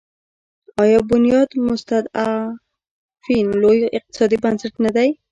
آیا بنیاد مستضعفین لوی اقتصادي بنسټ نه دی؟